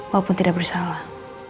walaupun tidak bersalah